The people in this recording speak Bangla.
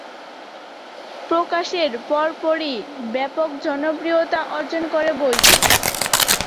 প্রকাশের পরপরই ব্যাপক জনপ্রিয়তা অর্জন করে বইটি।